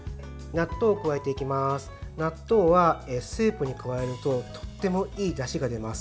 納豆はスープに加えるととってもいいだしが出ます。